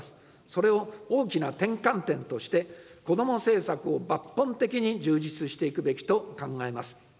それを大きな転換点として、子ども政策を抜本的に充実していくべきと考えます。